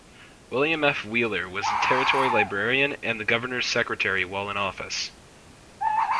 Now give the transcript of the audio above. William F. Wheeler was territory Librarian and the Governor's Secretary while in office.